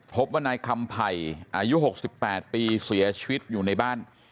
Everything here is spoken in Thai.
พบว่านายคำไผ่อายุ๖๘ปีเสียชีวิตอยู่ในบ้าน